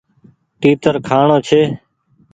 تيتر کآڻو ڇي ۔